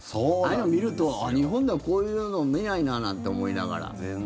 ああいうの見ると、日本ではこういうの見ないななんて思いながら。